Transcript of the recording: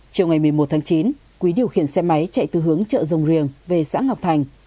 chiều ngày một mươi một tháng chín quý điều khiển xe máy chạy từ hướng chợ rồng riềng về xã ngọc thành